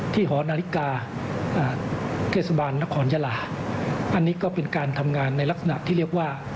หอนาฬิกาเทศบาลนครยาลาอันนี้ก็เป็นการทำงานในลักษณะที่เรียกว่า